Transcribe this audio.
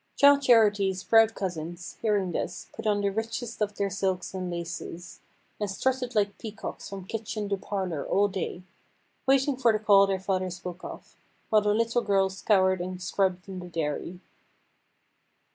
Childe Charity's proud cousins, hearing this, put on the richest of their silks and laces, and strutted like peacocks from kitchen to parlour all day, waiting for the call their father spoke of, while the little girl scoured and scrubbed in the dairy.